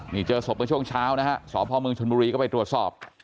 นี่เจอศพเมื่อช่วงเช้านะฮะสพเมืองชนบุรีก็ไปตรวจสอบ